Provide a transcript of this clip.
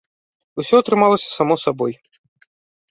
Усё атрымалася само сабой!